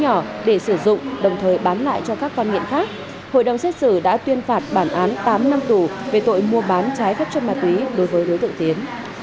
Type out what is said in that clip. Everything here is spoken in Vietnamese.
hội đồng xét xử đã tuyên phạt bản án tám năm tù về tội mua bán trái phép chân ma túy đối với đối tượng tiến